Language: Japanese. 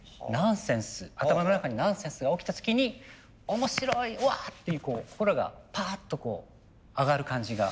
頭の中にナンセンスが起きた時に「面白い！うわ」っていう心がパーッとこう上がる感じが。